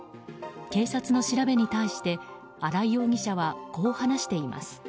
警察の調べに対して新井容疑者はこう話しています。